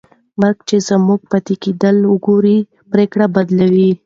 مرګ چې زموږ پاتې کېدل وګوري، پرېکړه بدلوي.